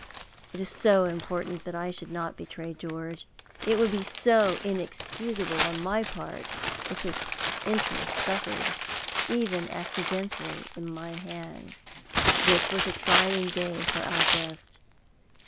It is so important that I should not betray George it would be so inexcusable on my part if his interests suffered, even accidentally, in my hands. This was a trying day for our guest.